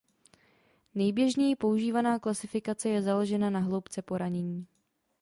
Nejběžněji používaná klasifikace je založena na hloubce poranění.